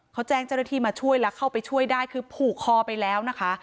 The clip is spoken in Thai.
เขาแจ้งเจ้าหน้าที่มาช่วยแล้วเข้าไปช่วยได้คือผูกคอไปแล้วนะคะ